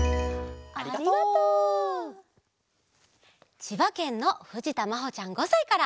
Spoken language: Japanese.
ちばけんのふじたまほちゃん５さいから。